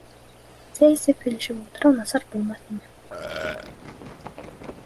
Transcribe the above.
Сәй эсеп һөйләшеп ултырыу насар булмаҫ ине